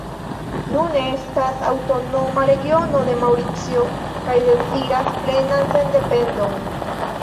Nune estas aŭtonoma regiono de Maŭricio, kaj deziras plenan sendependon.